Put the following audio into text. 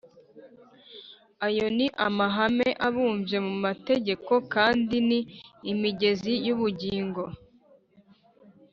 ” ayo ni amahame abumbye mu mategeko kandi ni imigezi y’ubugingo